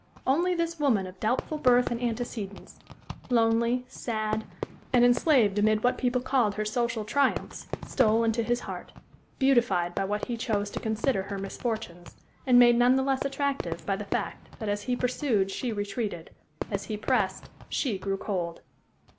Only this woman of doubtful birth and antecedents, lonely, sad, and enslaved amid what people called her social triumphs, stole into his heart beautified by what he chose to consider her misfortunes, and made none the less attractive by the fact that as he pursued, she retreated; as he pressed, she grew cold.